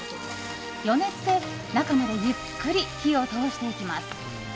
余熱で中までゆっくり火を通していきます。